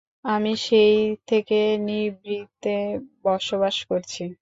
আমি সেই থেকে নিভৃতে বসবাস করছি।